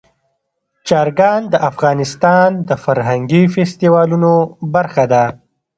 چرګان د افغانستان د فرهنګي فستیوالونو برخه ده.